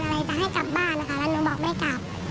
จะให้กลับบ้านนะคะแล้วหนูบอกไม่กลับ